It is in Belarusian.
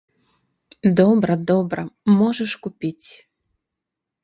Добра, добра, можаш купіць.